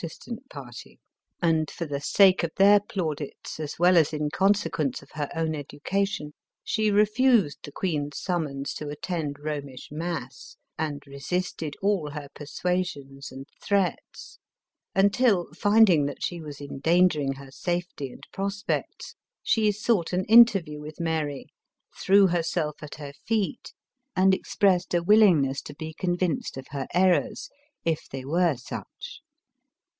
tant party, and, for the sake of their plaudits as well as in consequence of her own education, she refused the queen's summons to attend Eomish mass, and re sisted all her persuasions and threats, until, finding that she was endangering her safety and prospects, she sought an interview with Mary, threw herself at her feet, and expressed a willingness to be convinced of her errors, if they were such.